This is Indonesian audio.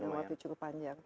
waktu cukup panjang